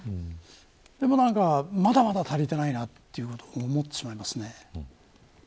でも、まだまだ足りていないなと思ってしまいますね。